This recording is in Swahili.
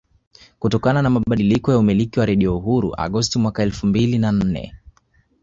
Kutokana na mabadiliko ya umiliki wa Radio Uhuru Agosti mwaka elfu mbili na nne